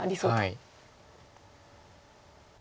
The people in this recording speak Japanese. はい。